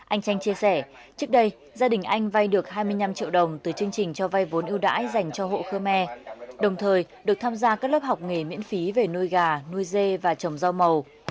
anh chanh chia sẻ trước đây gia đình anh vay được hai mươi năm triệu đồng từ chương trình cho vay vốn ưu đãi dành cho hộ khơ me đồng thời được tham gia các lớp học nghề miễn phí về nuôi gà nuôi dê và trồng rau màu